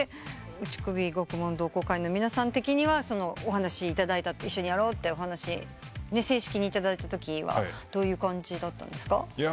打首獄門同好会の皆さん的には一緒にやろうってお話正式にいただいたときはどういう感じだったんですか？